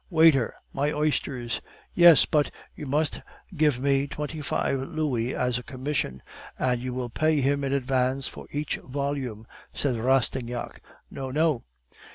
'Waiter, my oysters.' "'Yes, but you must give me twenty five louis as commission, and you will pay him in advance for each volume,' said Rastignac. "'No, no.